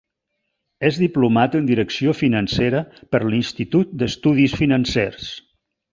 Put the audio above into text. És diplomat en Direcció Financera per l’Institut d’Estudis Financers.